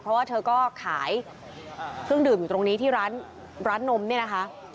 เพราะว่าเธอก็ขายเครื่องดื่มอยู่ตรงนี้ที่ร้านนมเนี่ยนะคะ